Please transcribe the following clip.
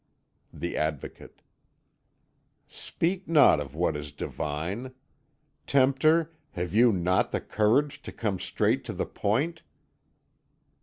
The Advocate: "Speak not of what is Divine. Tempter, have you not the courage to come straight to the point?"